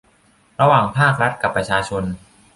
ระหว่างภาครัฐกับประชาชน